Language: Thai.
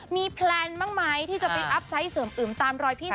มีแพลนบ้างไหมที่จะไปอัพไซต์เสริมอึมตามรอยพี่สาว